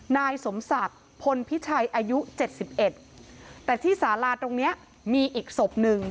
นายสมศักดิ์พลพิชัยอายุเจ็ดสิบเอ็ดแต่ที่สาราตรงเนี้ยมีอีกศพหนึ่ง